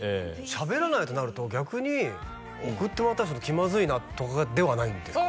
しゃべらないとなると逆に送ってもらったりすると気まずいなとかではないんですか？